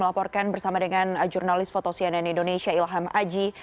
bahkan bersama dengan jurnalis fotos cnn indonesia ilham aji